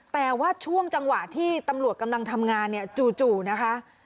แต่ว่าช่วงจังหวะที่ตำรวจกำลังทำงานเนี่ยจู่นะคะ